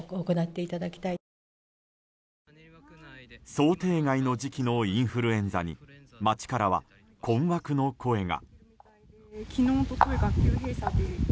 想定外の時期のインフルエンザに街からは困惑の声が。